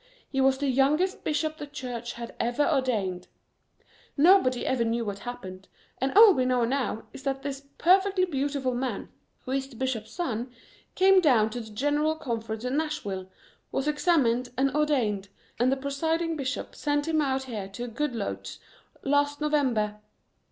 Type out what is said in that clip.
He was the youngest bishop the church had ever ordained. Nobody ever knew what happened, and all we know now is that this perfectly beautiful man, who is the bishop's son, came down to the General Conference in Nashville, was examined and ordained, and the presiding bishop sent him out here to Goodloets last November.